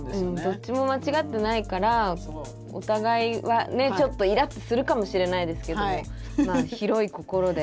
どっちも間違ってないからお互いはねちょっとイラっとするかもしれないですけどもまあ広い心で。